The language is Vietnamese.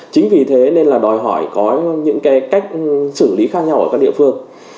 chính vì thế nên là đòi hỏi có những cái cách xử lý khác nhau ở các địa phương